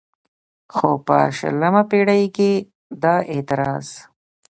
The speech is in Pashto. خو په شلمه پېړۍ کې دا اعتراض